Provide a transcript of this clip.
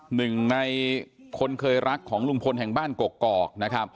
หนึ่งในคนเคยรักของลุงพลแห่งบ้านกกอกนะครับ